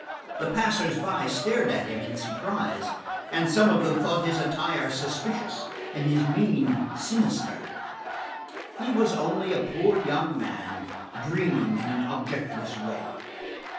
The passers by stared at him in surprise, and some of them thought his attire suspicious and his mien sinister. He was only a poor young man dreaming in an objectless way.